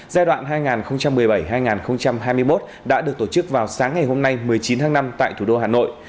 giai đoạn hai nghìn một mươi bảy hai nghìn hai mươi một đã được tổ chức vào sáng ngày hôm nay một mươi chín tháng năm tại thủ đô hà nội